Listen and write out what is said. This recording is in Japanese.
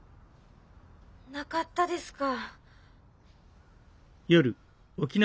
なかったですか。